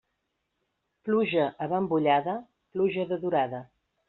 Pluja abambollada, pluja de durada.